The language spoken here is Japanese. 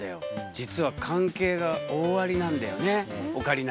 実は関係が大ありなんだよねオカリナ。